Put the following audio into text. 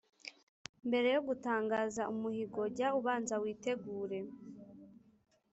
Mbere yo gutangaza umuhigo, jya ubanza witegure,